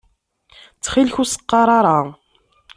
Ttxil-k ur s-qqaṛ ara.